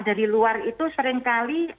dari luar itu seringkali